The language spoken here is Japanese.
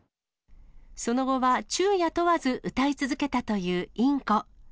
その後は昼夜問わず歌い続けたというインコ。